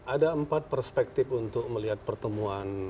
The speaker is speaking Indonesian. ada empat perspektif untuk melihat pertemuan